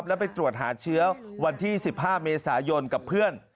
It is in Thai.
แล้วไปตรวจหาเชื้อวันที่๑๕เมษายนกับเพื่อน